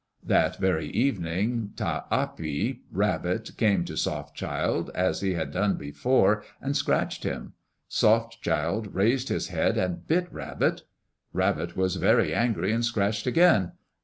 That very evening Ta api, Rabbit, came to Soft Child as he had done before and scratched him. Soft Child raised his head and bit Rabbit. Rabbit was angry and scratched again.